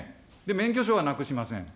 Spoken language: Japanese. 免許証はなくしません。